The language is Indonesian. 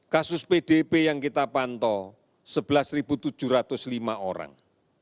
kasus pdp yang kita pantau sebelas tujuh ratus lima orang